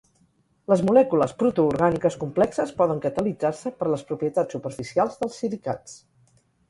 Les molècules protoorgàniques complexes poden catalitzar-se per les propietats superficials dels silicats.